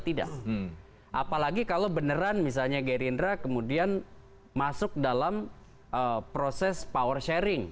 tidak apalagi kalau beneran misalnya gerindra kemudian masuk dalam proses power sharing